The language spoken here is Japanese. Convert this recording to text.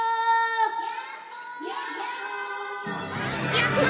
やった！